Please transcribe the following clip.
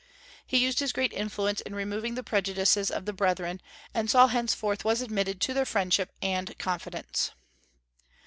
He used his great influence in removing the prejudices of the brethren, and Saul henceforth was admitted to their friendship and confidence.